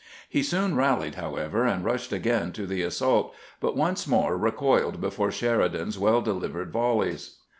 He soon rallied, however, and rushed again to the as sault, but once more recoiled before Sheridan's well delivered volleys.